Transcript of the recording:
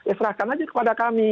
esrakan aja kepada kami